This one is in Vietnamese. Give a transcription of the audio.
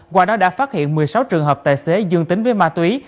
qua đó đã phát hiện một mươi sáu trường hợp tài xế dương tính với ma túy